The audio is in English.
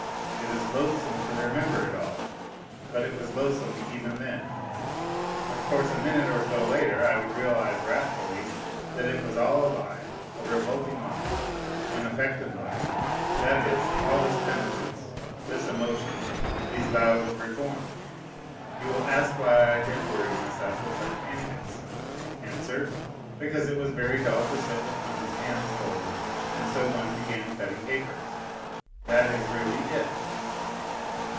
It is loathsome to remember it all, but it was loathsome even then. Of course, a minute or so later I would realize wrathfully that it was all a lie, a revolting he, an affected lie, that is, all this penitence, this emotion, these vows of reform. You will ask why did I worry myself with such antics : answer, because it was very dull to sit with one's hands folded, and so one began cutting capers. That is really it.